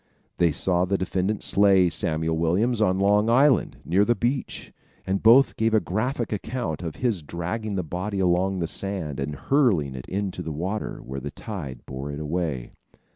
They saw the defendant slay Samuel Williams on Long Island, near the beach, and both gave a graphic account of his dragging the body along the sand and hurling it into the water, where the tide bore it away.